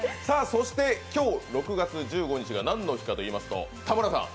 そして今日、６月１５日が何の日かといいますと？